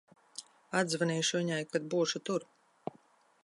Atzvanīšu viņai, kad būšu tur.